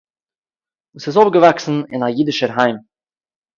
וואָס איז אויפגעוואַקסן אין אַ אידישער היים